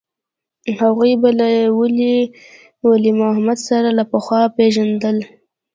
هغوى به له ولي محمد سره له پخوا پېژندل.